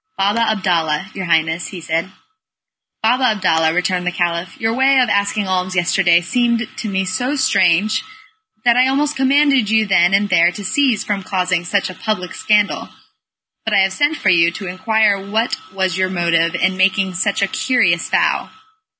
"Baba Abdalla, your Highness," said he. "Baba Abdalla," returned the Caliph, "your way of asking alms yesterday seemed to me so strange, that I almost commanded you then and there to cease from causing such a public scandal. But I have sent for you to inquire what was your motive in making such a curious vow.